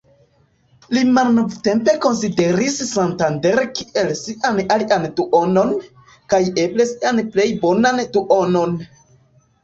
Li malnovtempe konsideris Santander kiel ""sian alian duonon, kaj eble sian plej bonan duonon"".